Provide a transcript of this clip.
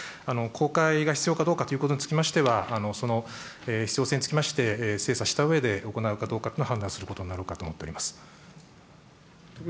公開が必要かどうかということにつきましては、その必要性につきまして、精査したうえで、行うかどうかというのは判断することになろうかと思っております。